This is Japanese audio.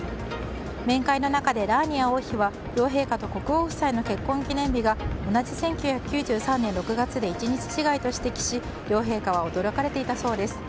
面会の中で、ラーニア王妃は両陛下と国王夫妻の結婚記念日が同じ１９９３年６月で１日違いと指摘し両陛下は驚かれていたそうです。